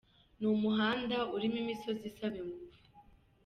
Ni umuhanda urimo imisozi isaba ingufu.